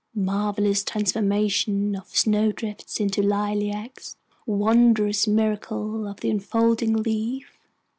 Marvellous transformation of snowdrifts into lilacs, wondrous miracle of the unfolding leaf!